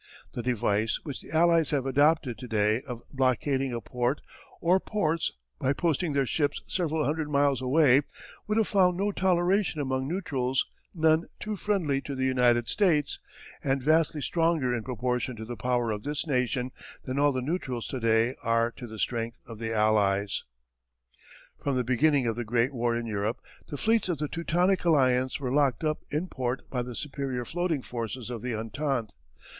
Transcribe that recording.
The device which the Allies have adopted to day of blockading a port or ports by posting their ships several hundred miles away would have found no toleration among neutrals none too friendly to the United States, and vastly stronger in proportion to the power of this nation than all the neutrals to day are to the strength of the Allies. [Illustration: Victory in the Clouds. Painting by John E. Whiting.] From the beginning of the Great War in Europe the fleets of the Teutonic alliance were locked up in port by the superior floating forces of the Entente.